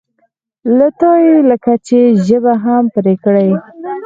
له تا یې لکه چې ژبه هم پرې کړې.